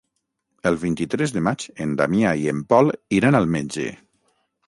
El vint-i-tres de maig en Damià i en Pol iran al metge.